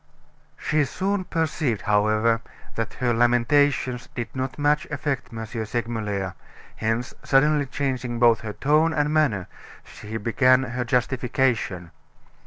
She soon perceived, however, that her lamentations did not much affect M. Segmuller, hence, suddenly changing both her tone and manner, she began her justification.